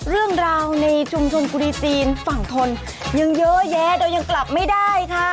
เรื่องราวในชุมชนกุฎีจีนฝั่งทนยังเยอะแยะโดยยังกลับไม่ได้ค่ะ